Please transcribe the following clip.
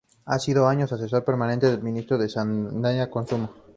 Ha sido tres años asesor permanente del Ministro de Sanidad y Consumo.